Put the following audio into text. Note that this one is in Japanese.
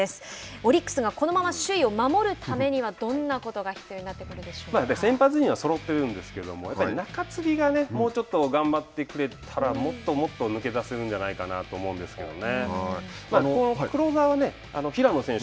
オリックスがこのまま首位を守るためにはどんな事が先発陣はそろってるんですけどやっぱり中継ぎがねもうちょっと頑張ってくれたらもっともっと抜け出せるんじゃないかなと思うんですけどね。